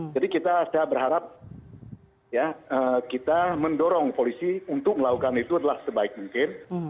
jadi kita berharap kita mendorong polisi untuk melakukan itu adalah sebaik mungkin